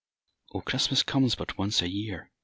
O, CHRISTMAS comes but once a year!